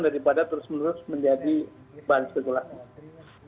daripada terus menerus menjadi bahan spekulasi